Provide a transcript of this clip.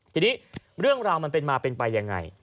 ทีนี้เรื่องราวมันเป็นมาเป็นไปยังไง